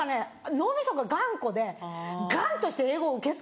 脳みそが頑固で頑として英語を受け付けない。